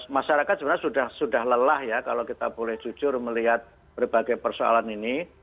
masyarakat sebenarnya sudah lelah ya kalau kita boleh jujur melihat berbagai persoalan ini